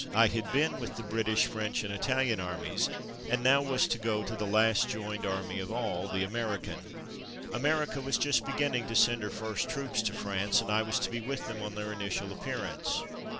I had been with the British, French, and Italian armies, and now was to go to the last joined army of all — the American. America was just beginning to send her first troops to France, and I was to be with them on their initial appearance.